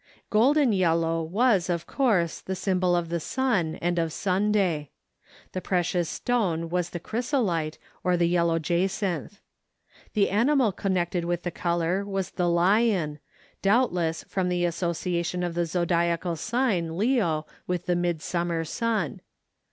Golden yellow was, of course, the symbol of the sun and of Sunday. The precious stone was the chrysolite or the yellow jacinth. The animal connected with the color was the lion, doubtless, from the association of the zodiacal sign Leo with the midsummer sun.